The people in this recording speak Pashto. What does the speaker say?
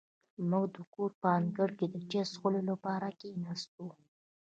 موږ د کور په انګړ کې د چای څښلو لپاره کېناستو.